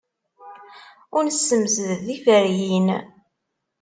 Ur nessemsed tiferyin.